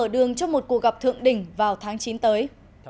đứng trong một cuộc gặp thượng đỉnh vào tháng chín tới